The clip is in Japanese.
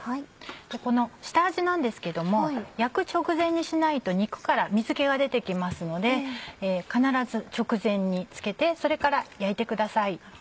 この下味なんですけども焼く直前にしないと肉から水気が出て来ますので必ず直前に付けてそれから焼いてください。